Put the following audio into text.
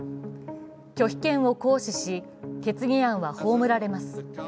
拒否権を行使し、決議案は葬られます。